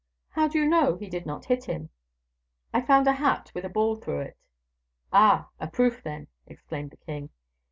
"How do you know he did not hit him?" "I found a hat with a ball through it." "Ah, a proof, then!" exclaimed the king.